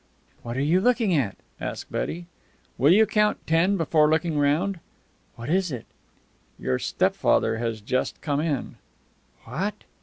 "What are you looking at?" asked Betty. "Will you count ten before looking round?" "What is it?" "Your stepfather has just come in." "What!"